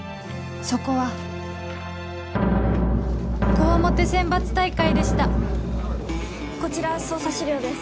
そこは強面選抜大会でしたこちら捜査資料です。